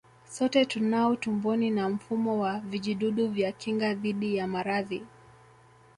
Sote tunao tumboni na mfumo wa vijidudu vya kinga dhidi ya maradhi